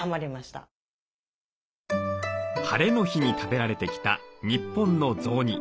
晴れの日に食べられてきた日本の雑煮。